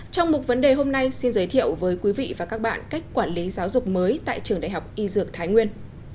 trong mục vấn đề hôm nay xin giới thiệu với quý vị và các bạn cách quản lý giáo dục mới tại trường đại học y dược thái nguyên